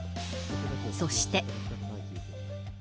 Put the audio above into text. そして。